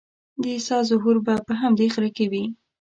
د عیسی ظهور به په همدې غره کې وي.